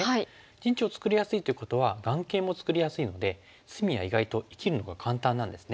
陣地を作りやすいということは眼形も作りやすいので隅は意外と生きるのが簡単なんですね。